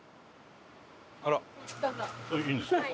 いいんですか？